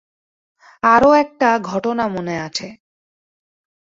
আরও একটা ঘটনা মনে আছে।